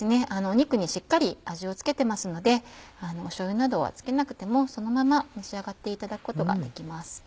肉にしっかり味を付けてますのでしょうゆなどはつけなくてもそのまま召し上がっていただくことができます。